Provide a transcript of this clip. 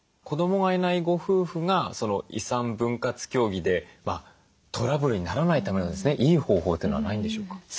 子どもがいないご夫婦が遺産分割協議でトラブルにならないためのいい方法というのはないんでしょうか？